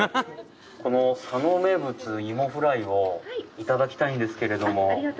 この佐野名物いもフライをいただきたいんですけれども。